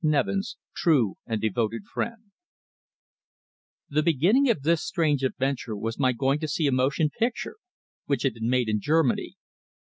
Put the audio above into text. Nevens True and devoted friend I The beginning of this strange adventure was my going to see a motion picture which had been made in Germany.